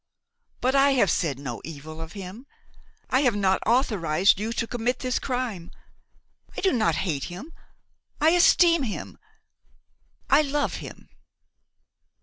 But I have said no evil of him; I have not authorized you to commit this crime! I do not hate him; I esteem him, I love him!"